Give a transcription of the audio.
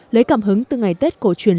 lấy cảm hứng từ ngày tết cổ truyền